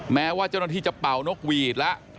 แม้ว่าเจ้าหน้าที่จะเป่านกหวีดแล้ว